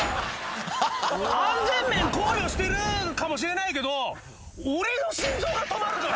安全面考慮してるかもしれないけど俺の心臓が止まるから。